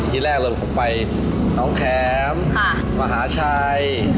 ที่แรกเลยผมไปน้องแคมมหาชัย